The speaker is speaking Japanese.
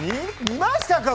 見ましたか？